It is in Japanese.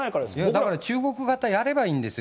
だから中国型をやればいいんですよ。